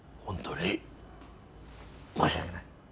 本当に申し訳ない。